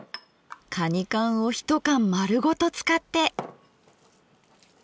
かに缶を一缶丸ごと使って。